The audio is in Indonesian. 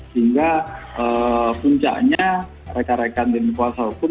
sehingga puncaknya rekan rekan tim kuasa hukum